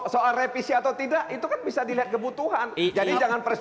soal revisi atau tidak itu kan bisa dilihat kebutuhan